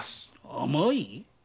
甘い？